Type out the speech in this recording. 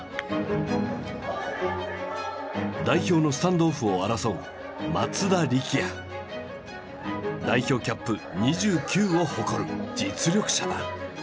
代表のスタンドオフを争う代表キャップ２９を誇る実力者だ。